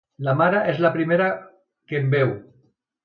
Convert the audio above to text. La mare és la primera que em veu.